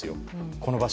この場所